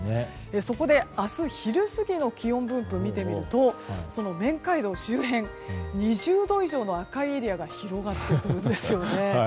そこで明日昼過ぎの気温分布を見てみると麺街道周辺２０度以上の赤いエリアが広がっているんですよね。